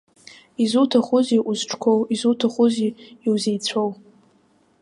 Изуҭахузеи узҿқәоу, изуҭахузеи иузеицәоу?